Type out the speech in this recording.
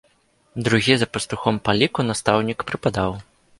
Другі за пастухом па ліку настаўнік прыпадаў.